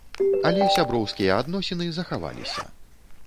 Але сяброўскія адносіны захаваліся.